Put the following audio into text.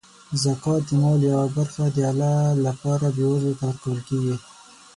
زکات د مال یوه برخه د الله لپاره بېوزلو ته ورکول کیږي.